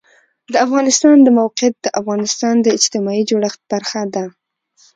د افغانستان د موقعیت د افغانستان د اجتماعي جوړښت برخه ده.